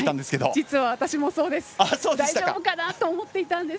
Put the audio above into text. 実は、私もそうです。